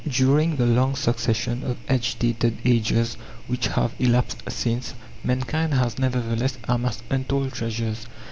During the long succession of agitated ages which have elapsed since, mankind has nevertheless amassed untold treasures.